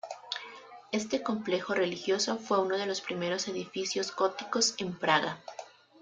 Este complejo religioso fue uno de los primeros edificios góticos en Praga.